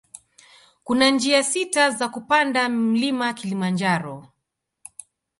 Kuna njia sita za kupanda mlima kilimanjaro